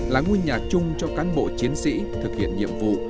là ngôi nhà chung cho cán bộ chiến sĩ thực hiện nhiệm vụ